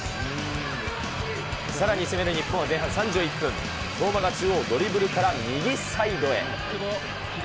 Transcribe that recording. さらに攻める日本は前半３１分、相馬が中央ドリブルから右サイドへ。